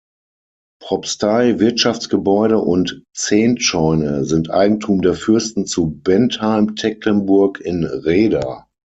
Propstei, Wirtschaftsgebäude und Zehntscheune sind Eigentum der Fürsten zu Bentheim-Tecklenburg in Rheda.